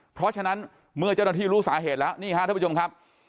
เพราะฉะนั้นเมื่อเจ้าหน้าที่รู้สาเหตุแล้วนี่ฮะท่านผู้ชมครับ